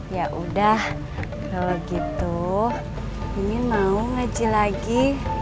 ya udah kalo gitu mimin mau ngaji lagi